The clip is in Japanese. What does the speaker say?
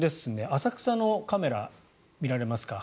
浅草のカメラ、見られますか？